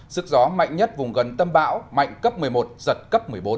sức gió mạnh nhất vùng gần tâm bão mạnh cấp một mươi một giật cấp một mươi bốn